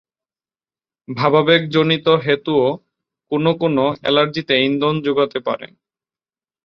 ভাবাবেগজনিত হেতুও কোনো কোনো অ্যালার্জিতে ইন্ধন যোগাতে পারে।